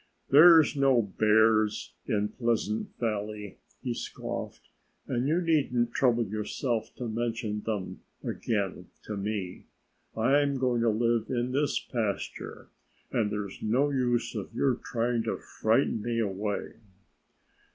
"There are no bears in Pleasant Valley," he scoffed. "And you needn't trouble yourself to mention them again to me. I'm going to live in this pasture and there's no use of your trying to frighten me away."